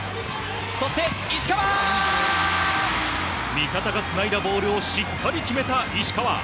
味方がつないだボールをしっかり決めた石川。